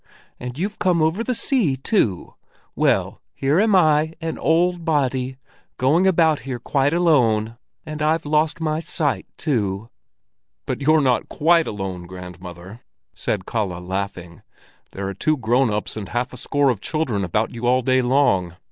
And you've come over the sea too! Well, here am I, an old body, going about here quite alone; and I've lost my sight too." "But you're not quite alone, grandmother," said Kalle, laughing. "There are two grown ups and half a score of children about you all day long."